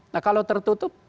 nah kalau tertutup